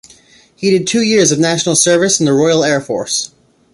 He did two years of national service in the Royal Air Force.